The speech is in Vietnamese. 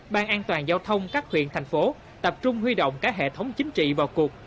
ban an toàn giao thông các huyện thành phố tập trung huy động cả hệ thống chính trị vào cuộc